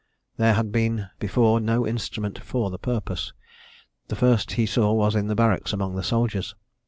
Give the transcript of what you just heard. There had been before no instrument for the purpose. The first he saw was in the barracks among the soldiers.